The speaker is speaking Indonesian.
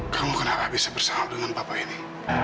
kamu kenapa bisa bersama dengan bapak ini